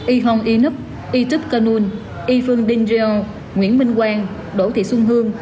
y hong y nup y tup canun y phương đinh rêu nguyễn minh quang đỗ thị xuân hương